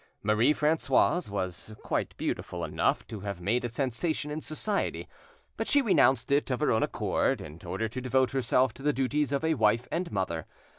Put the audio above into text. Marie Francoise was quite beautiful enough to have made a sensation in society, but she renounced it of her own accord, in order to devote herself to the duties of a wife and mother.